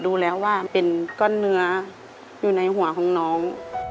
ดูแล้วว่าเป็นก้อนเนื้ออยู่ในหัวของน้อง